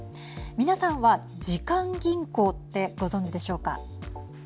皆さんは、時間銀行ってご存じでしょうか。